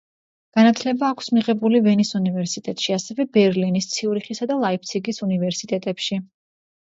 განათლება აქვს მიიღებული ვენის უნივერსიტეტში, ასევე ბერლინის, ციურიხისა და ლაიფციგის უნივერსიტეტებში.